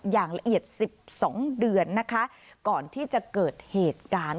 อย่างละเอียด๑๒เดือนนะคะก่อนที่จะเกิดเหตุการณ์